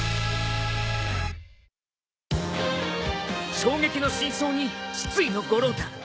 衝撃の真相に失意の五郎太。